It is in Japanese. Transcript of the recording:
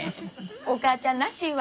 お母ちゃんらしいわ。